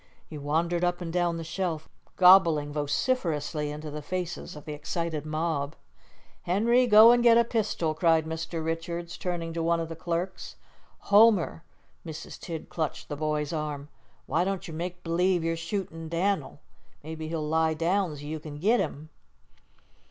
He wandered up and down the shelf, gobbling vociferously into the faces of the excited mob. "Henry, go and get a pistol," cried Mr. Richards, turning to one of his clerks. "Homer," Mrs. Tidd clutched the boy's arm, "why don't you make b'lieve you're shootin' Dan'l? Maybe he'll lie down, so you can git him."